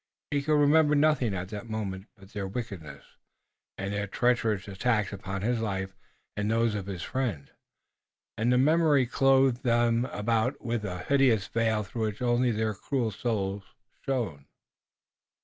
He could remember nothing at that moment but their wickedness, and their treacherous attacks upon his life and those of his friends, and the memory clothed them about with a hideous veil through which only their cruel souls shone.